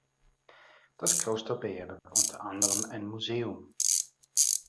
Das Kloster beherbergt unter anderem ein Museum.